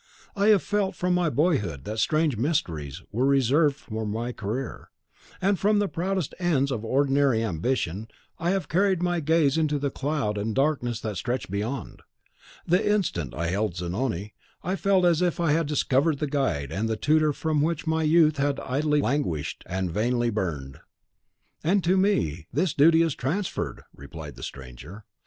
"I have felt from my boyhood that strange mysteries were reserved for my career; and from the proudest ends of ordinary ambition I have carried my gaze into the cloud and darkness that stretch beyond. The instant I beheld Zanoni, I felt as if I had discovered the guide and the tutor for which my youth had idly languished and vainly burned." "And to me his duty is transferred," replied the stranger.